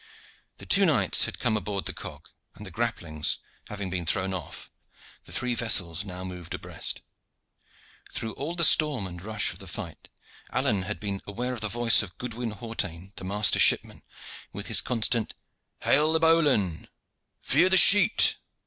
The two knights had come aboard the cog, and the grapplings having been thrown off, the three vessels now moved abreast. Through all the storm and rush of the fight Alleyne had been aware of the voice of Goodwin Hawtayne, the master shipman, with his constant "Hale the bowline! Veer the sheet!"